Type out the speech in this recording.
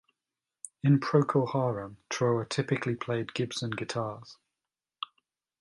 In Procol Harum Trower typically played Gibson guitars.